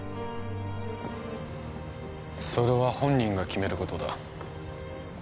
それは本人が決めることだ